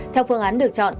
theo phương án được chọn